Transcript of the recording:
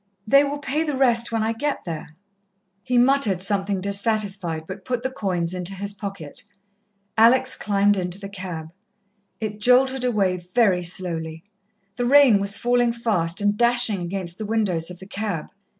"They will pay the rest when I get there." He muttered something dissatisfied, but put the coins into his pocket. Alex climbed into the cab. It jolted away very slowly. The rain was falling fast, and dashing against the windows of the cab.